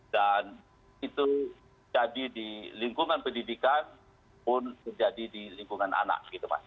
dan itu jadi di lingkungan pendidikan pun menjadi di lingkungan anak